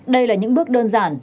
đây là những bước đơn giản